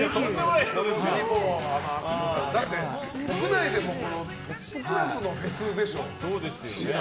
国内でもトップクラスのフェスでしょ。